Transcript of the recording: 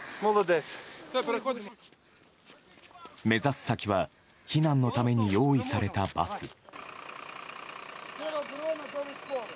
目指す先は避難のために用意されたバス。